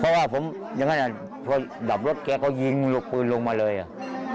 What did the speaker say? เพราะว่าผมยังไงอ่ะพอดับรถแกก็ยิงลูกปืนลงมาเลยอ่ะ